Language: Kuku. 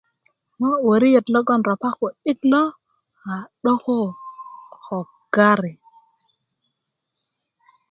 ŋo woriet logon ropa ku'dik a 'doko ko gari